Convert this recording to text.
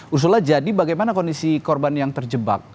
usulnya jadi bagaimana kondisi korban yang terjebak